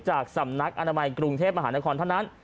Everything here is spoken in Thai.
จากสำนักอนามัยกรุงเทพมหานครเท่านั้น